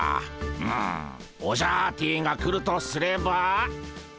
うむオジャアーティが来るとすれば。